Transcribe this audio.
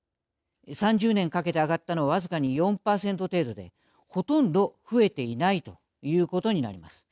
３０年かけて上がったのは僅かに４％程度でほとんど増えていないということになります。